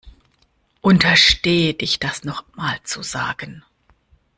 Unterstehe dich das nochmal zu sagen.